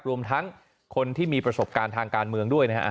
รวมทั้งคนที่มีประสบการณ์ทางการเมืองด้วยนะฮะ